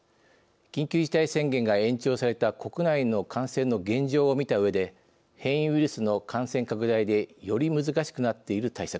緊急事態宣言が延長された国内の感染の現状を見たうえで変異ウイルスの感染拡大でより難しくなっている対策